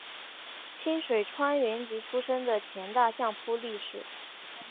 清水川元吉出身的前大相扑力士。